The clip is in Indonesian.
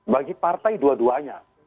bagi partai dua duanya